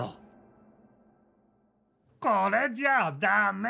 これじゃダメ！